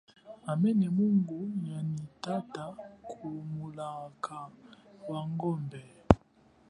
Hamene mungu ya nyi tata ku mulaka wa ngombe.